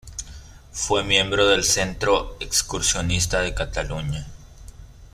Fue miembro del Centro Excursionista de Cataluña.